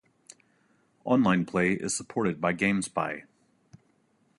Online play is supported by GameSpy.